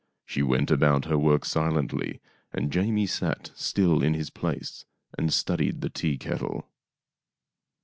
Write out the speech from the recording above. She went about her work silently, and Jamie sat still in his place and studied the teakettle.